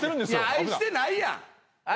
愛してないやん。